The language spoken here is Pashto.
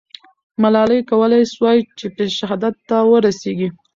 ملالۍ کولای سوای چې شهادت ته ورسېږي.